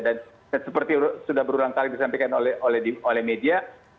dan seperti sudah berulang kali disampaikan oleh media